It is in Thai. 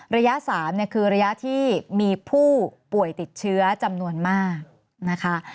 ระยะ๓คือระยะที่มีผู้ป่วยติดเชื้อจำนวนมากนะคะ